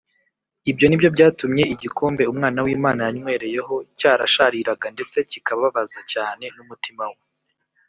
ibyo ni byo byatumye igikombe umwana w’imana yanywereyeho cyarashariraga ndetse bikababaza cyane n’umutima we